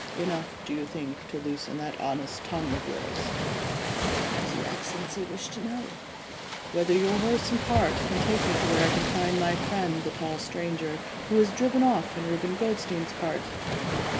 "Enough, do you think, to loosen that honest tongue of yours?" "What does your Excellency wish to know?" "Whether your horse and cart can take me to where I can find my friend the tall stranger, who has driven off in Reuben Goldstein's cart?"